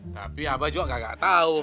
tapi abah juga gak tau